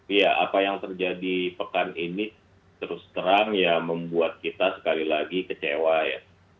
iya apa yang terjadi pekan ini terus terang ya membuat kita sekali lagi kecewa ya